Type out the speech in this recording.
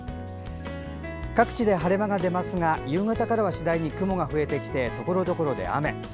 各地で晴れ間が出ますが夕方からは次第に雲が増えてきてところどころで雨。